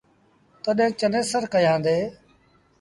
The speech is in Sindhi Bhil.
تڏهيݩ چنيسر ڪيآندي ۔